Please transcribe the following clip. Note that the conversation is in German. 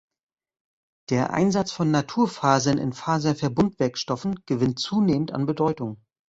Der Einsatz von Naturfasern in Faserverbundwerkstoffen gewinnt zunehmend an Bedeutung.